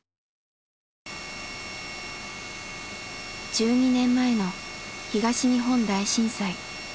１２年前の東日本大震災。